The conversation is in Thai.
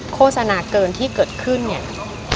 โฆษณาเกินที่เกิดขึ้นเนี่ย